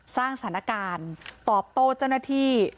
สร้างสถานการณ์ตอบโต้เจ้าหน้าที่